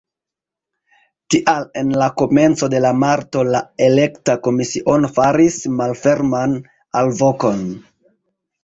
Tial en la komenco de marto la elekta komisiono faris malferman alvokon.